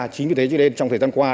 chính vì thế cho nên trong thời gian này